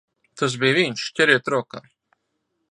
Tas bija viņš! Ķeriet rokā!